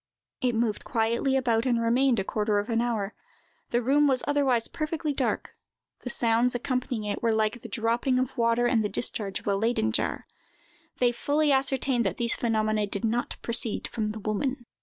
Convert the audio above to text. It moved quietly about, and remained a quarter of an hour. The room was otherwise perfectly dark; the sounds accompanying it were like the dropping of water and the discharge of a Leyden jar. They fully ascertained that these phenomena did not proceed from the woman.